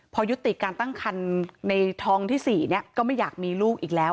พอยุติการตั้งคันในทองที่๔ก็ไม่อยากมีลูกอีกแล้ว